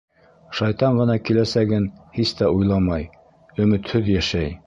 Шайтан ғына киләсәген һис тә уйламай, өмөтһөҙ йәшәй.